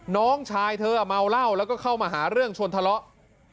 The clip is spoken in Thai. น้องชายเธอเมาเหล้าแล้วก็เข้ามาหาเรื่องชนทะเลาะ